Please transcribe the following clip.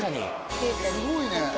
すごいね。